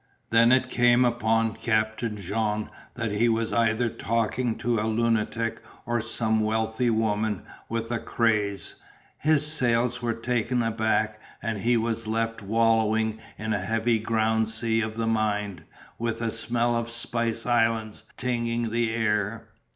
Then it came upon Captain Jean that he was either talking to a lunatic or some wealthy woman with a craze. His sails were taken aback and he was left wallowing in a heavy ground sea of the mind with a smell of spice islands tinging the air.